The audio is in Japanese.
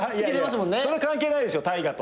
それは関係ないでしょ大河と。